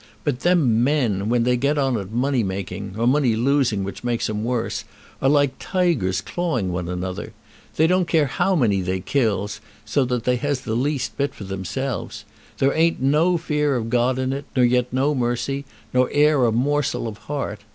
But them men, when they get on at money making, or money losing, which makes 'em worse, are like tigers clawing one another. They don't care how many they kills, so that they has the least bit for themselves. There ain't no fear of God in it, nor yet no mercy, nor ere a morsel of heart.